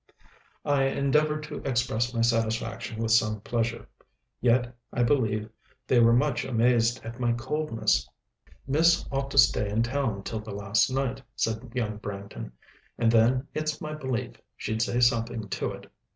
I endeavored to express my satisfaction with some pleasure; yet I believe they were much amazed at my coldness. "Miss ought to stay in town till the last night," said young Branghton; "and then, it's my belief, she'd say something to it!